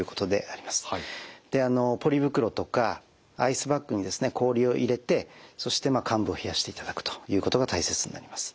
でポリ袋とかアイスバッグにですね氷を入れてそして患部を冷やしていただくということが大切になります。